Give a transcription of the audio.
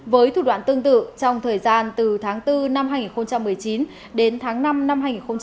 với thủ đoạn tương tự trong thời gian từ tháng bốn năm hai nghìn một mươi chín đến tháng năm năm hai nghìn hai mươi